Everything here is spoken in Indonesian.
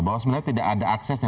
bahwa sebenarnya tidak ada akses